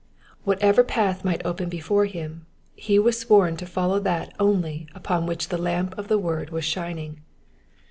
Whatever path might open before him, he was sworn to follow that only upon which the lamp of the word was shining.